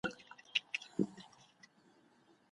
د مغولو د زوال لاملونه لا هم څېړل کیږي.